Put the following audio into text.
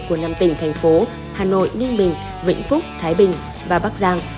của năm tỉnh thành phố hà nội ninh bình vĩnh phúc thái bình và bắc giang